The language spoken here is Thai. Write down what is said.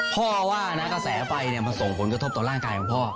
พ่อว่านะกระแสไฟมาส่งผลกระทบต่อร่างกายของพ่อ